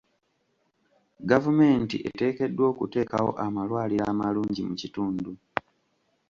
Gavumenti eteekeddwa okuteekawo amalwaliro amalungi mu kitundu.